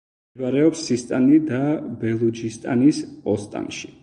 მდებარეობს სისტანი და ბელუჯისტანის ოსტანში.